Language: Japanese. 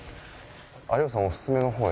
有吉さんおすすめの方。